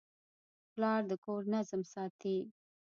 پلار د کور نظم ساتي.